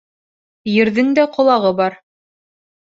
Ерҙең дә ҡолағы бар.